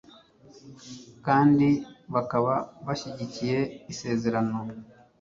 kandi bakaba bashyigikiye isezerano